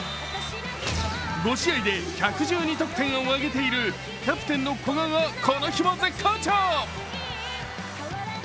５試合で１１２得点を挙げているキャプテンの古賀がこの日も絶好調。